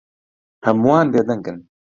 هەمووان بێدەنگن.